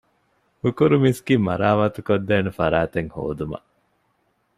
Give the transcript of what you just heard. ހުކުރު މިސްކިތް މަރާމާތުކޮށްދޭނެ ފަރާތެއް ހޯދުމަށް